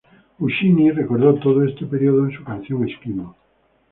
Guccini recordó todo este periodo en su canción "Eskimo".